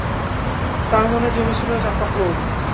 তাঁর মনে জমে ছিল চাপা ক্ষোভ।